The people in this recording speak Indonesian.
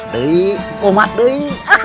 dui kumat dui